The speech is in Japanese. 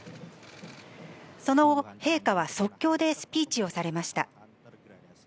その後、陛下は即興でスピーチをされました。